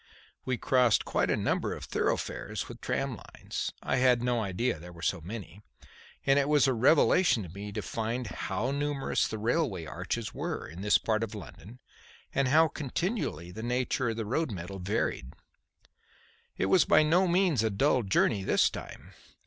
We crossed quite a number of thoroughfares with tram lines I had no idea there were so many and it was a revelation to me to find how numerous the railway arches were in this part of London and how continually the nature of the road metal varied. It was by no means a dull journey this time.